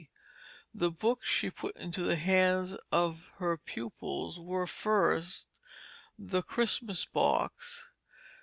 The Books she put into the hands of her Pupils were, 1st, The Christmas Box.